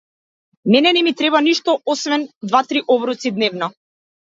Мене не ми треба ништо, освен два-три оброци дневно.